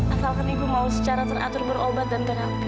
asalkan ibu mau secara teratur berobat dan terapi